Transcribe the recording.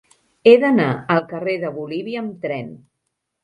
He d'anar al carrer de Bolívia amb tren.